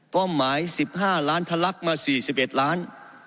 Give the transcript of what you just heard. หมาย๑๕ล้านทะลักมา๔๑ล้าน